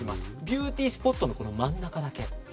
ビューティースポットの真ん中だけ。